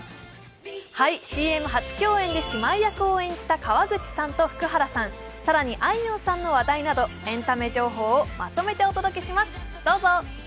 ＣＭ初共演で姉妹役を演じた川口さんと福原さん、更にあいみょんさんの話題などエンタメ情報をまとめてお届けします。